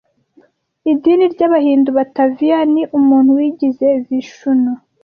Idini ry'Abahindu Batavia ni umuntu wigize Vishnu